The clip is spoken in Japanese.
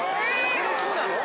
これそうなの！？